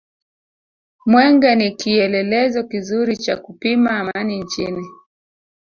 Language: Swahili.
mwenge ni kielelezo kizuri cha kupima amani nchini